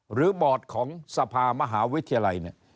บอร์ดของสภามหาวิทยาลัยเนี่ย